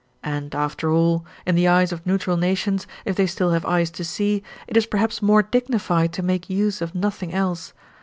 And, after all, in the eyes of neutral nations, if they still have eyes to see, it is perhaps more dignified to make use of nothing else.